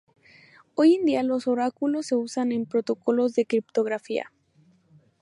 Hoy en día los oráculos se usan en protocolos de criptografía.